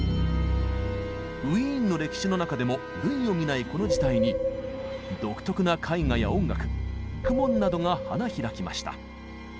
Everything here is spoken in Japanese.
ウィーンの歴史の中でも類を見ないこの時代に独特な絵画や音楽学問などが花開きました。